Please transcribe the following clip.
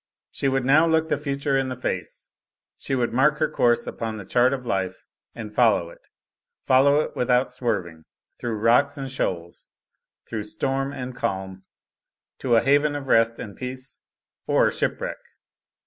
She would now look the future in the face; she would mark her course upon the chart of life, and follow it; follow it without swerving, through rocks and shoals, through storm and calm, to a haven of rest and peace or shipwreck.